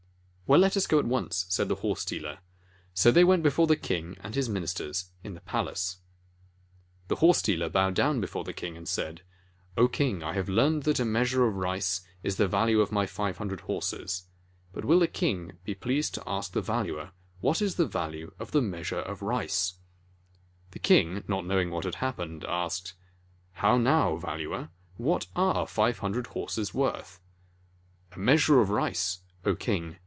"Well, let us go at once," said the horse dealer. So they went before the king and his ministers in the palace. The horse dealer bowed down before the king, and said: "O King, I have learned that a measure of rice is the value of my five hundred horses. But will 36 THE MEASURE OF RICE the king be pleased to ask the Valuer what is the value of the measure of rice?" He ran away from the laughing crowd. The king, not knowing what had happened, asked: "How now, Valuer, what are five hundred horses worth?" "A measure of rice, O King!"